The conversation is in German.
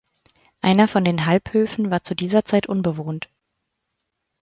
Einer von den Halbhöfen war zu dieser Zeit unbewohnt.